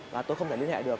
và tôi không thể liên hệ được